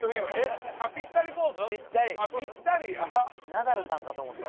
ナダルさんかと思った。